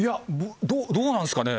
どうなんですかね？